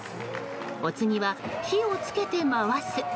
お次は火を付けて回す。